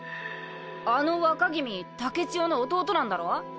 あの若君竹千代の弟なんだろ？